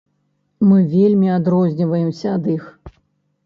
Мы вельмі адрозніваемся ад іх.